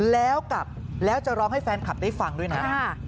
แล้วกลับแล้วจะร้องให้แฟนคลับได้ฟังด้วยนะ